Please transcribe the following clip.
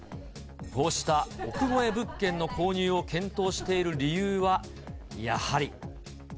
こうした億超え物件の購入を検討している理由は、やはり。